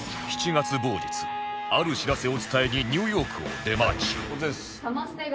７月某日ある知らせを伝えにニューヨークを出待ち